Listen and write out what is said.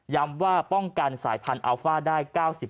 ย้ำว่าป้องกันสายพันธุ์อัลฟ้าได้๙๐